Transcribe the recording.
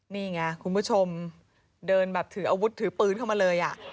นี่ไงคุณผู้ชมเดินแบบถืออาวุธถือปืนเข้ามาเลย